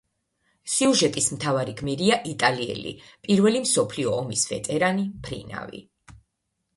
სიუჟეტის მთავარი გმირია იტალიელი, პირველი მსოფლიო ომის ვეტერანი, მფრინავი.